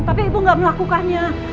tapi ibu gak melakukannya